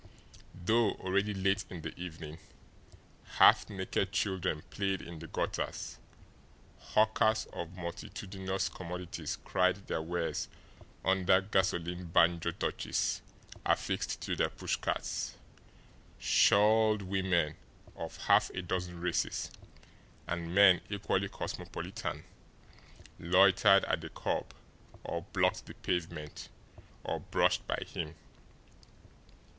Though already late in the evening, half naked children played in the gutters; hawkers of multitudinous commodities cried their wares under gasoline banjo torches affixed to their pushcarts; shawled women of half a dozen races, and men equally cosmopolitan, loitered at the curb, or blocked the pavement, or brushed by him.